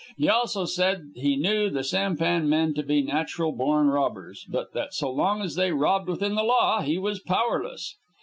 He also said he knew the sampan men to be natural born robbers, but that so long as they robbed within the law he was powerless.